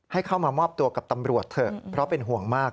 ให้เข้ามามอบตัวกับตำรวจเถอะเพราะเป็นห่วงมาก